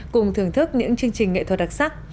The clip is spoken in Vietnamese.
cùng thưởng thức những chương trình nghệ thuật đặc sắc